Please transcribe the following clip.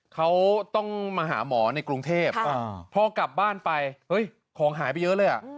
เขาต้องมาหาหมอในกรุงเทพพอกลับบ้านไปเฮ้ยของหายไปเยอะเลยอ่ะ